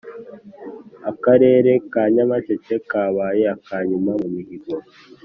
Akarere ka Nyamasheke kabaye akanyuma mu mihigo